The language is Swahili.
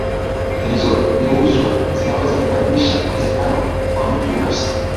zilizogeuzwa zinaweza kubadilisha uwezekano wa mtu binafsi